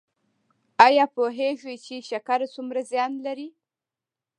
ایا پوهیږئ چې شکر څومره زیان لري؟